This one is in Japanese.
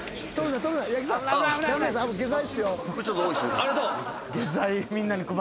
ありがとう。